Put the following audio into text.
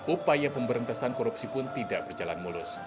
upaya pemberantasan korupsi pun tidak berjalan mulus